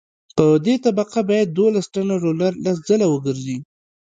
په دې طبقه باید دولس ټنه رولر لس ځله وګرځي